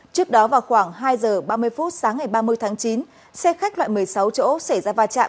trước đó vào khoảng hai giờ ba mươi phút sáng ngày ba mươi tháng chín xe khách loại một mươi sáu chỗ xảy ra va chạm